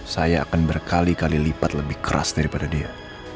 saya akan berkali kali lipat lebih keras daripada dia